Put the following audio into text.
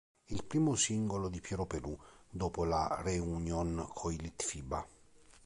È' il primo singolo di Piero Pelù dopo la reunion coi Litfiba.